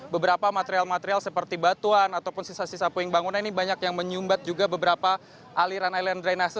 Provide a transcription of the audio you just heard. beberapa material material seperti batuan ataupun sisa sisa puing bangunan ini banyak yang menyumbat juga beberapa aliran aliran drainase